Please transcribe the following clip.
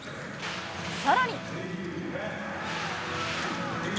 さらに。